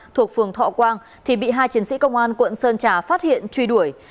thuộc phường thọ quang thì bị hai chiến sĩ công an quận sơn trà phát hiện truy đuổi